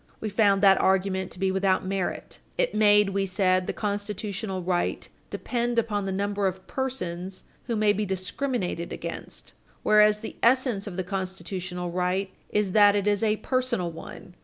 We found that argument to be without merit. It made, we said, the constitutional right "depend upon the number of persons who may be discriminated against, whereas the essence of the constitutional right is that it is a personal one.